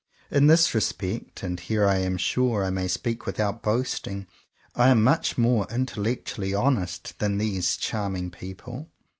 In this respect — and here I am sure I may speak without boasting — I am much more in tellectually honest than these charming people.